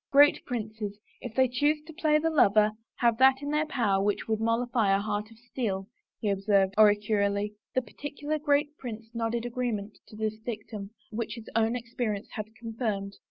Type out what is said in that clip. " Great princes, if they choose to play the lover, have that in their power which would mollify a heart of steel," he observed oracularly. The particular great prince nodded agreement to this dictum which his own experience had confirmed.